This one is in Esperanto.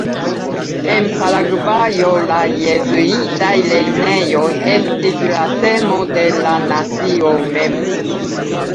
En Paragvajo, la jezuitaj lernejoj estis la semo de la nacio mem.